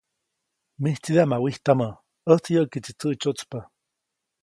‒Mijtsidaʼm ma wijtamä, ʼäjtsi yäʼkiʼtsi tsäʼtsyäʼtspa-.